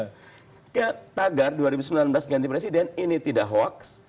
ketika tagar dua ribu sembilan belas ganti presiden ini tidak hoax